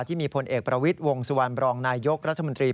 ที่มีพลเอกประวิทย์วงสุวรรณบรองนายยกรัฐมนตรี